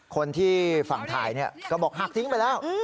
คนที่ฝั่งถ่ายก็บอกหากทิ้งไปแล้ว